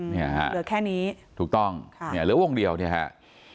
เหลือแค่นี้ถูกต้องเนี่ยเหลือวงเดียวเนี่ยครับ